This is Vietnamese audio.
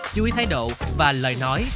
chú ý thái độ và lời nói